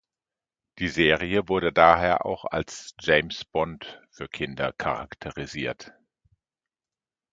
Die Serie wurde daher auch als "James Bond" für Kinder charakterisiert.